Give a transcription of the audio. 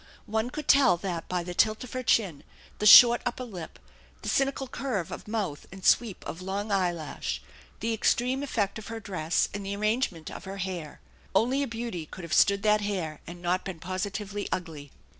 One could tell that by the tilt of chin, the short upper lip, the cynical curve of mouth and sweep of long eye lash, the extreme effect of her dress and the arrangement of her hair. Only a beauty could have stood that hair and not been positively ugly.